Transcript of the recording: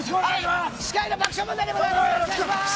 司会の爆笑問題です。